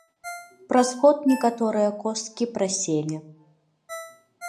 Праз год некаторыя косткі праселі.